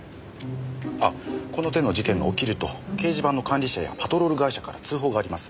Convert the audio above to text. あっこの手の事件が起きると掲示板の管理者やパトロール会社から通報があります。